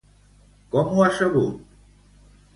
Com ho ha sabut?